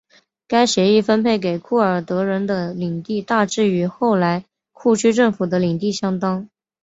该协议分配给库尔德人的领地大致与后来库区政府的领地相当。